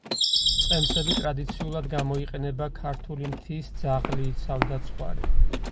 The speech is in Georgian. მწყემსები ტრადიციულად გამოიყენება ქართული მთის ძაღლი იცავდა ცხვარი.